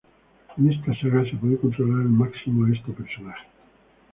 En esta saga se puede controlar al máximo a este personaje.